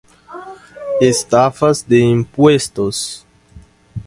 Estafas de impuestos